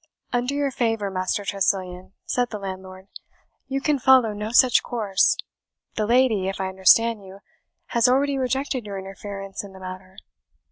"Under your favour, Master Tressilian," said the landlord, "you can follow no such course. The lady, if I understand you, has already rejected your interference in the matter."